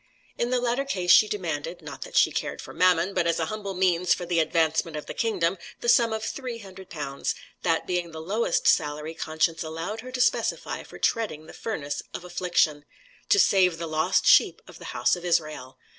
In the latter case she demanded not that she cared for mammon, but as a humble means for the advancement of the Kingdom the sum of 300*l.*; that being the lowest salary conscience allowed her to specify for treading the furnace of affliction, to save the lost sheep of the house of Israel.